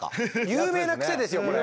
有名なクセですよこれ。